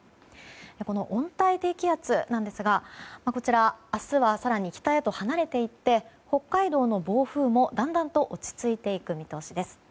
この温帯低気圧ですが明日は更に北へと離れていって北海道の暴風もだんだん落ち着いていく見通しです。